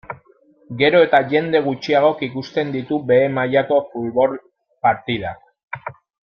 Gero eta jende gutxiagok ikusten ditu behe mailako futbol partidak.